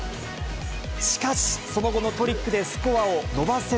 しかし、その後のトリックでスコアを伸ばせず。